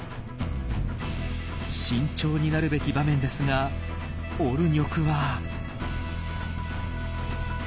慎重になるべき場面ですがオルニョクは。